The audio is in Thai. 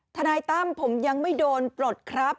ทนายตั้มผมยังไม่โดนปลดครับ